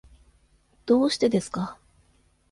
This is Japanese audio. どうしてですか。